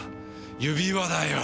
指輪だよ。